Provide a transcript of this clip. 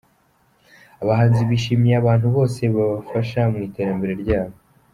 abahanzi bashimiye abantu bose baba fasha mw’ iterambere ryabo